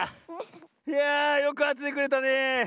いやよくあててくれたねえ。